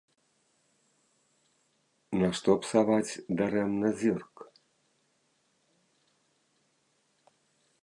Нашто псаваць дарэмна зірк?